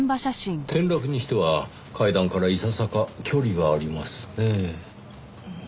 転落にしては階段からいささか距離がありますねぇ。